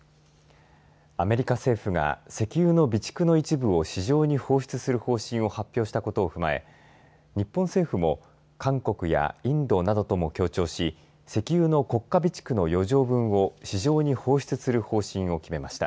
アメリカ政府が石油の備蓄の一部を市場に放出する方針を発表したことを踏まえ日本政府も韓国や、インドなどとも協調し石油の国家備蓄の余剰分を市場に放出する方針を決めました。